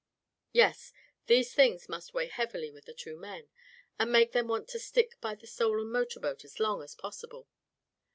Yes, these things must weigh heavily with the two men, and make them want to stick by the stolen motor boat as long as possible.